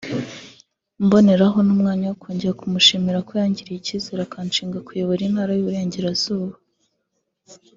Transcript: Mboneraho n’umwanya wo kongera kumushimira ko yangiriye icyizere akanshinga kuyobora Intara y’Iburengerazuba